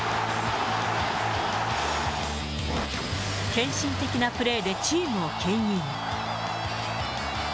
献身的なプレーでチームをけん引。